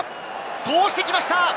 通してきました！